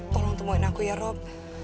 tolong temuin aku ya rob